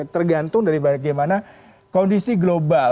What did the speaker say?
tergantung dari bagaimana kondisi global